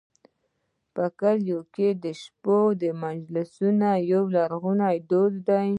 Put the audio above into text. په کلیو کې د شپې مجلسونه یو لرغونی دود دی.